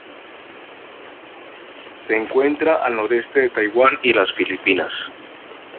Se encuentra al noreste de Taiwán y las Filipinas.